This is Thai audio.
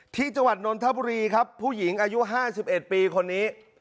ที่จังหวัดนนทบุรีครับผู้หญิงอายุ๕๑ปีคนนี้